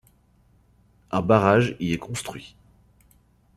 Un barrage y est construit.